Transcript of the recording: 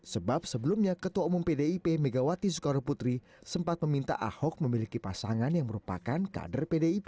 sebab sebelumnya ketua umum pdip megawati soekarno putri sempat meminta ahok memiliki pasangan yang merupakan kader pdip